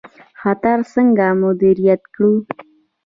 خطر څنګه مدیریت کړو؟